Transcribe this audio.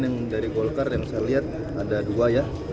yang dari golkar yang saya lihat ada dua ya